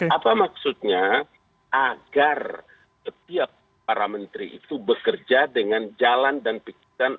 apa maksudnya agar setiap para menteri itu bekerja dengan jalan dan pikiran